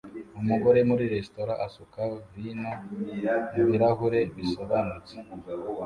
Umugore muri resitora asuka vino mubirahure bisobanutse